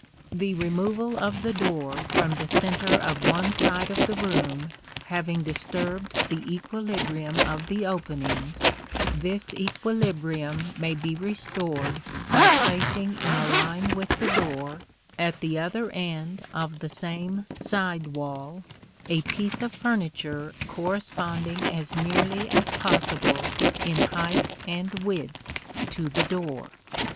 The removal of the door from the centre of one side of the room having disturbed the equilibrium of the openings, this equilibrium may be restored by placing in a line with the door, at the other end of the same side wall, a piece of furniture corresponding as nearly as possible in height and width to the door.